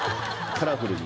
カラフルに。